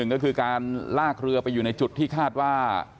ก็คือการลากเรือไปอยู่ในจุดที่คาดว่า